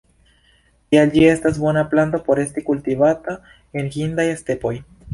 Tial ĝi estas bona planto por esti kultivata en hindaj stepoj.